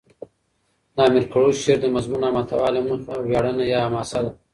د امیر کروړ شعر دمضمون او محتوا له مخه ویاړنه یا حماسه ده.